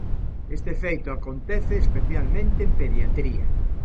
Este feito acontece especialmente en pediatría.